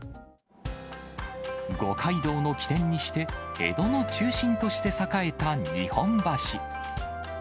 五街道の起点にして、江戸の中心として栄えた日本橋。